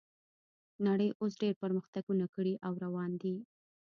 نړۍ اوس ډیر پرمختګونه کړي او روان دي